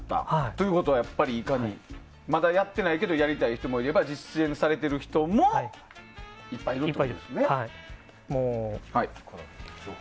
ということは、いかにまだやってないけどやりたい人もいれば実践されてる人もいっぱいいると。